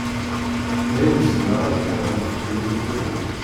D ayen zemreɣ ad geɣ ma tefkam-iyi tagnit.